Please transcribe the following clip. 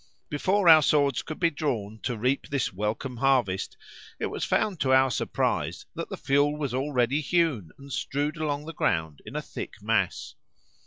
Before our swords could be drawn to reap this welcome harvest it was found to our surprise that the fuel was already hewn and strewed along the ground in a thick mass.